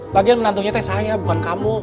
bagian menantunya teh saya bukan kamu